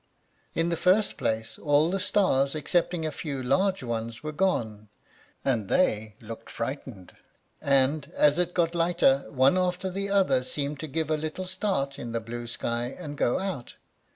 In the first place, all the stars excepting a few large ones were gone, and they looked frightened; and as it got lighter, one after the other seemed to give a little start in the blue sky and go out.